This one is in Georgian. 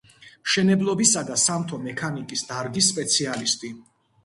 მშენებლობისა და სამთო მექანიკის დარგის სპეციალისტი.